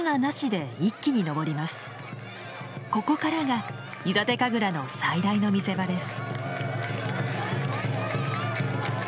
ここからが湯立神楽の最大の見せ場です。